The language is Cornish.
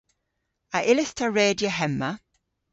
A yllydh ta redya hemma?